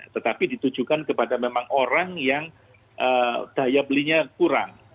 tetapi ditujukan kepada memang orang yang daya belinya kurang